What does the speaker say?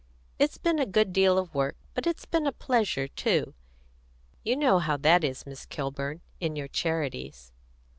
"It's been a good deal of work, but it's been a pleasure too. You know how that is, Miss Kilburn, in your charities."